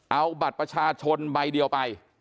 เอาบัตรประชาชนใบเดียวไป